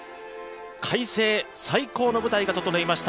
快晴、最高の舞台が整いました